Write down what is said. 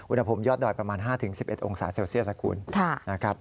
อุณหภูมิยอดดอยประมาณ๕๑๑องศาเซลเซียสคุณ